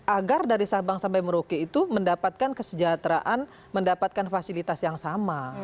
agar dari sabang sampai merauke itu mendapatkan kesejahteraan mendapatkan fasilitas yang sama